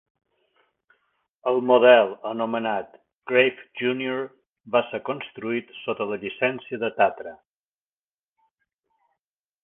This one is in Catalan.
El model anomenat "Greif Junior" va ser construït sota la llicència de Tatra.